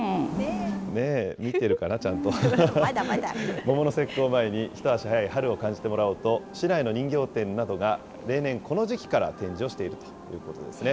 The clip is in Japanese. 桃の節句を前に、一足早い春を感じてもらおうと、市内の人形店などが例年、この時期から展示をしているということですね。